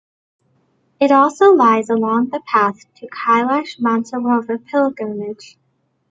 It also lies along the path to Kailash-Mansarovar pilgrimage.